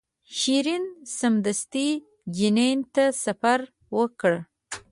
شیرین سمدستي جنین ته سفر وکړ.